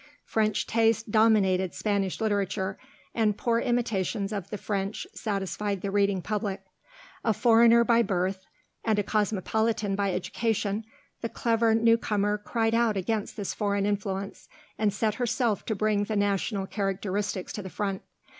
French taste dominated Spanish literature, and poor imitations of the French satisfied the reading public. A foreigner by birth and a cosmopolitan by education, the clever new comer cried out against this foreign influence, and set herself to bring the national characteristics to the front.